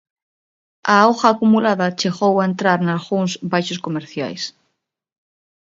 A auga acumulada chegou a entrar nalgúns baixos comerciais.